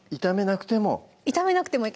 炒めなくても？